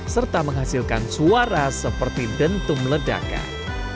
serta menghasilkan suara seperti dentum ledakan